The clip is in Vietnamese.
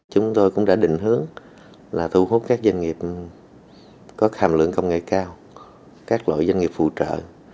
chúng tôi cũng đã định hướng là thu hút các doanh nghiệp có hàm lượng công nghệ cao các loại doanh nghiệp phụ trợ